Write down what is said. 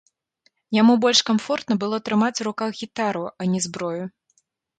Яму больш камфортна было трымаць у руках гітару, а не зброю.